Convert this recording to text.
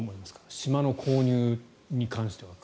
島の購入に関しては。